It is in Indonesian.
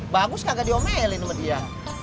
bagus kagak diomelin sama dia